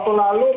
itu yang pertama